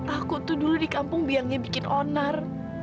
aku tuh dulu di kampung biangnya bikin onar